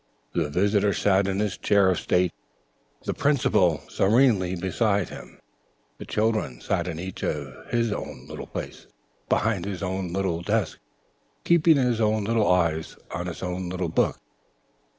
The visitor sat stolidly in the chair of state, the Principal sat serenely beside him, the children sat each in his own little place, behind his own little desk, keeping his own little eyes on his own little book.